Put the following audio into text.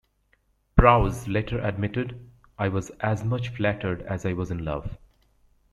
Prowse later admitted, I was as much flattered as I was in love.